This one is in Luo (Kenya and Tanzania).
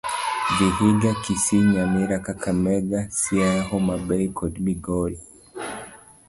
Vihiga, Kisii, Nyamira, Kakamega, Siaya, Homabay kod Migori.